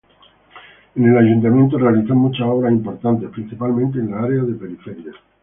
En el ayuntamiento, realizó muchas obras importantes, principalmente en las áreas de la periferia.